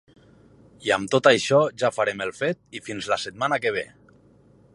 I amb tot això ja farem el fet i fins la setmana que ve.